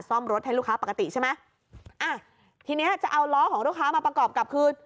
ซ่อมรถให้ลูกค้าปกติใช่ไหมอ่ะทีเนี้ยจะเอาล้อของลูกค้ามาประกอบกับคือ